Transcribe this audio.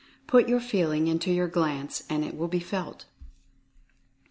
Put your Feeling into your glance, and it will be felt.